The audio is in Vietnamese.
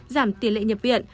giảm tiền lệ nhập viện